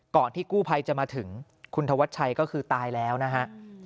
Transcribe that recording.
ที่กู้ภัยจะมาถึงคุณธวัชชัยก็คือตายแล้วนะฮะ